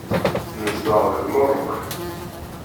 Nezdeɣ deg Meṛṛuk.